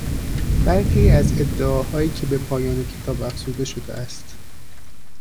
برخی از ادعاهایی که به پایان کتاب افزوده شده است.